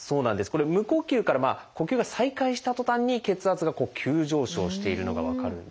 これ無呼吸から呼吸が再開したとたんに血圧が急上昇しているのが分かるんです。